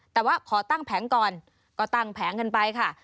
แต่ว่าขอตั้งแผงก่อนก็ตั้งแผงกันไปค่ะ